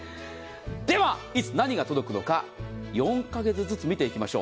では、いつ何が届くのか、４か月ずつ見ていきましょう。